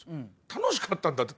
楽しかったんだと。